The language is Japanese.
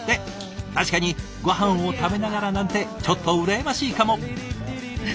確かにごはんを食べながらなんてちょっと羨ましいかも。